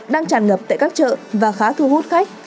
đang tràn ngập tại các chợ và khá thu hút khách